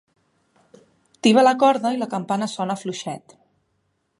Tiba la corda i la campana sona fluixet.